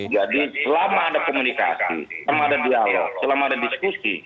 jadi selama ada komunikasi selama ada dialog selama ada diskusi